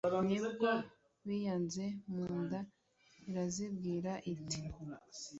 Ni bwo biyanze mu nda, irazibwira iti: